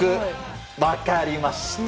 分かりました。